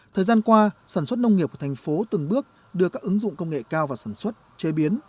thời gian qua sản xuất nông nghiệp của thành phố từng bước đưa các ứng dụng công nghệ cao vào sản xuất chế biến